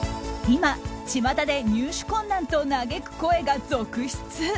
今、ちまたで入手困難と嘆く声が続出。